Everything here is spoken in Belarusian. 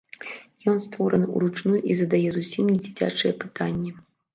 Ён створаны ўручную і задае зусім недзіцячыя пытанні.